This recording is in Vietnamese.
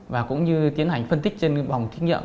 và cũng như tiến hành phân tích trên bồng thí nghiệm